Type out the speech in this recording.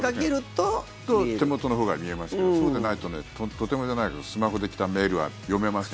手元のほうが見えますけどそうでないととてもじゃないけどスマホで来たメールは読めません。